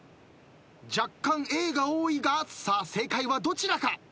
若干Ａが多いがさあ正解はどちらか？